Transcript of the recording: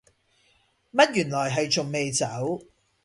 乜原來係仲未走